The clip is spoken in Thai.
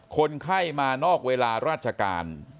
คนไข้มานอกเวลาราชการ